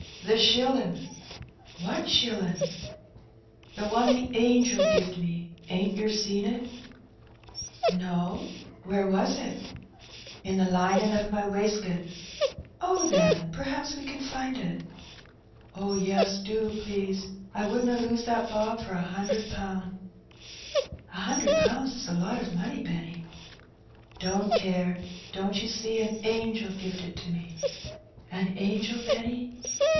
"The shillin'." "What shilling?" "The one the angel gived me. Ain't yer seen it?" Life at the Fabm. 227 "Noj where was it?^* " In the linin' of my wesket/' "Oh, then, perhaps we can find it/' "Oh, yes, do, please; I wouldna lose that bob for a hunderd poun\'^ " A hundred pounds is a lot of money, Benny/^ " Don't care ; don't you see, an angel gived it to me/' €< An angel, Benny